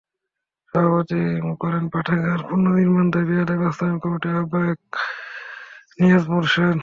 সভাপতিত্ব করেন পাঠাগার পুনর্নির্মাণ দাবি আদায় বাস্তবায়ন কমিটির আহ্বায়ক নিয়াজ মোর্শেদ।